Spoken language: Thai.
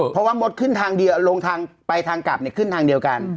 เพราะว่ามดขึ้นทางเดียวลงทางไปทางกลับขึ้นทางเดียวกัน